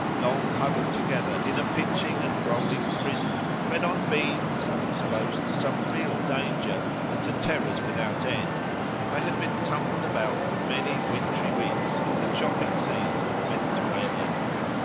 Long huddled together in a pitching and rolling prison, fed on beans, exposed to some real danger and to terrors without end, they had been tumbled about for many wintry weeks in the chopping seas of the Mediterranean.